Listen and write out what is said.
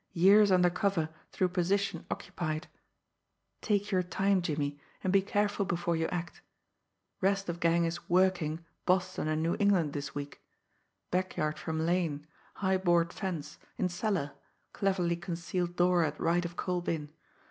years under cover through position occupied ... take your time, Jimmie, and be careful before you act ... rest of gang is 'working' Boston and New England this week ... backyard from lane, high board fence ... in cellar ... cleverly concealed door at right of coal bin